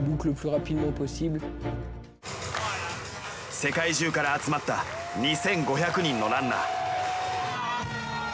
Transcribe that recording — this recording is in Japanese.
世界中から集まった２，５００人のランナー。